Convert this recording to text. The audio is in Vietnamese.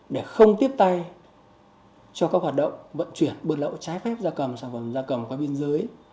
để không tiếp tay cho các hoạt động vận chuyển buôn lậu trái phép gia cầm sản phẩm da cầm qua biên giới